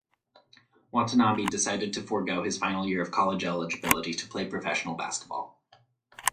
Watanabe decided to forego his final year of college eligibility to play professional basketball.